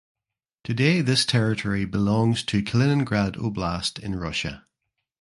Today this territory belongs to the Kaliningrad Oblast in Russia.